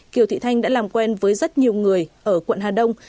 kiều thị thanh đã làm quen với rất nhiều người ở quận hà đông